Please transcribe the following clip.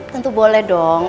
tentu boleh dong